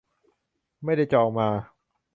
ไม่ได้จองมา